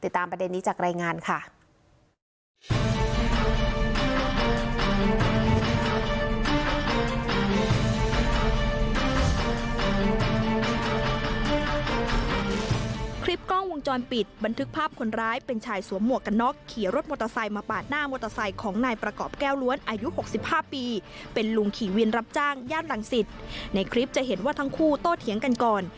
ตามประเด็นนี้จากรายงานค่ะ